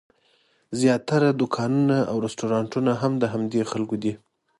زیاتره دوکانونه او رسټورانټونه هم د همدې خلکو دي.